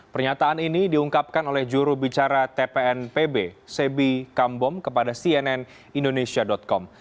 pernyataan ini diungkapkan oleh jurubicara tpnpb sebi kambom kepada cnn indonesia com